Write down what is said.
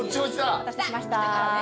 お待たせしました。